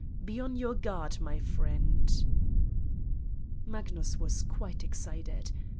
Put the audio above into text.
Be on your guard, my friend !" Magnus was quite excited.